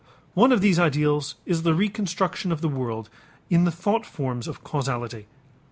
One of these ideals is the reconstruction of the world in the thought forms of causality.